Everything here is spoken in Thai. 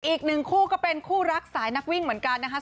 อีกหนึ่งคู่ก็เป็นคู่รักสายนักวิ่งเหมือนกันนะคะ